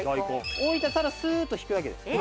置いてただスーッと引くだけです。